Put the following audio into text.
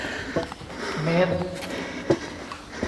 เมตร